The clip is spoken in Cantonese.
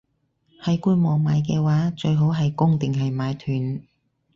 喺官網買嘅話，最好係供定係買斷?